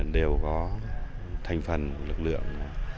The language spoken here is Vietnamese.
đều có thành phần lực lượng